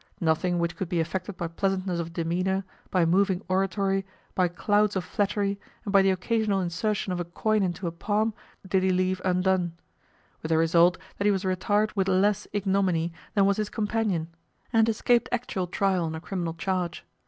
Nothing which could be effected by pleasantness of demeanour, by moving oratory, by clouds of flattery, and by the occasional insertion of a coin into a palm did he leave undone; with the result that he was retired with less ignominy than was his companion, and escaped actual trial on a criminal charge.